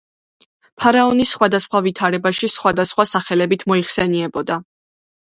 ფარაონი სხვადასხვა ვითარებაში სხვადასხვა სახელებით მოიხსენიებოდა.